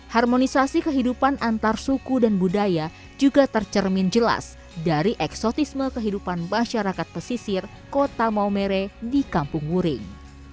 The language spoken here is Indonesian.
harmonisasi kehidupan antar suku dan budaya juga tercermin jelas dari eksotisme kehidupan masyarakat pesisir kota maumere di kampung wuring